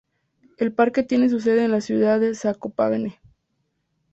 El Parque tiene su sede en la ciudad de Zakopane.